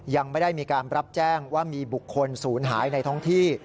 ยังไม่ได้มีการรับแจ้งว่ามีบุคคลศูนย์หายในท้องที่